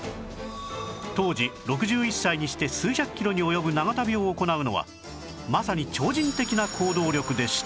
当時６１歳にして数百キロに及ぶ長旅を行うのはまさに超人的な行動力でした